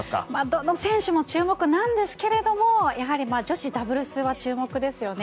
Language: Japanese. どの選手も注目なんですがやはり、女子ダブルスは注目ですよね。